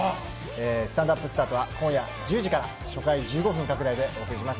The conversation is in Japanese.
「スタンドＵＰスタート」は今夜１０時から初回１５分拡大でお送りします。